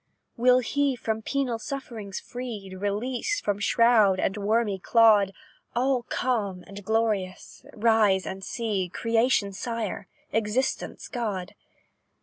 "Will he, from penal sufferings free, Released from shroud and wormy clod, All calm and glorious, rise and see Creation's Sire Existence' God?